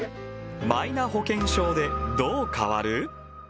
マイナ保険証でどう変わる？